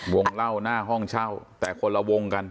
วงเล่าหน้าห้องเช่าแต่คนละวงกัน